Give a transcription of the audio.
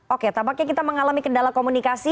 oke tampaknya kita mengalami kendala komunikasi